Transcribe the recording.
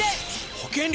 保険料